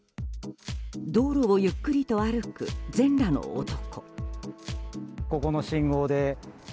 道路をゆっくりと歩く全裸の男。